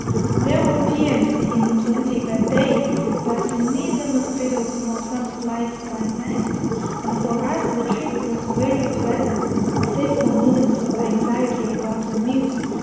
There were piums in plenty by day, but neither mosquitoes nor sand flies by night; and for us the trip was very pleasant, save for moments of anxiety about the mules.